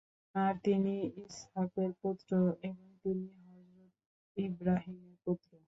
আর তিনি ইসহাকের পুত্র এবং তিনি হযরত ইবরাহীমের পুত্র।